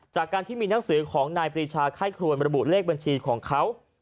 จากการที่มีหนังสือของนายปรีชาไข้ครวนระบุเลขบัญชีของเขา